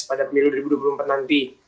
pada pemilu dua ribu dua puluh empat nanti